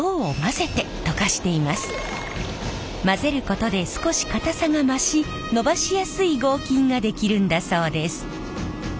混ぜることで少し硬さが増しのばしやすい合金が出来るんだそうです。